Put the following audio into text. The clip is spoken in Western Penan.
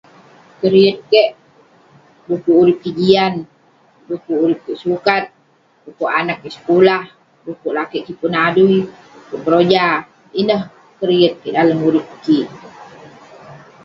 Keriet kek, dukuk urip kik jian, dukuk urip kik sukat, dukuk anaq kik sekulah, dukuk lakeik kik pun adui, pun keroja. Ineh keriet kik dalem urip kik.